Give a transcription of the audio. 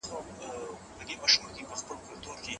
که د باران اوبه له سړکونو وویستل سي، نو اسفالټ نه خرابیږي.